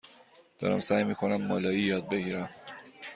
دارم سعی می کنم مالایی یاد بگیرم.